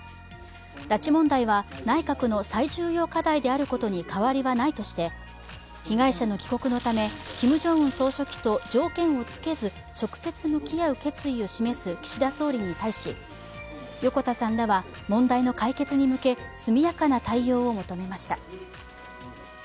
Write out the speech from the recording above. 拉致問題は内閣の最重要課題であることに変わりはないとして被害者の帰国のため、キム・ジョンウン総書記と条件を付けず直接向き合う決意を示す岸田総理に対し、横田さんらは問題の解決に向け速やかな対応を求めました。